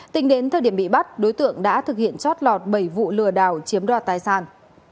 tính đến thời điểm bị bắt đối tượng đã thực hiện chót lọt bảy vụ lừa đảo chiếm đoạt tài sản